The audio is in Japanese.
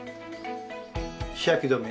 日焼け止め